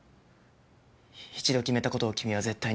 一度決めた事を君は絶対に譲らない。